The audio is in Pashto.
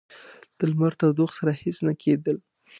د لمر تودوخې سره هیڅ نه کېدل.